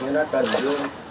người tên là chú